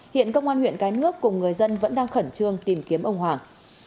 hiện công an huyện cái nước cùng người dân vẫn đang khẩn trương tìm kiếm ông hoàng